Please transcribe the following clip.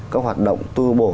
các hoạt động tu bổ